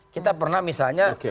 kita pernah misalnya